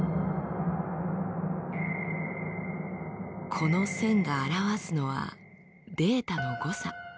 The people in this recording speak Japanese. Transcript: この線が表すのはデータの誤差。